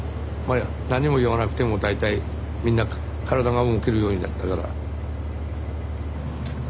あ何も言わなくても大体みんな体が動けるようになったから。